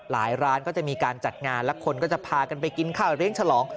ร้านก็จะมีการจัดงานแล้วคนก็จะพากันไปกินข้าวเลี้ยงฉลอง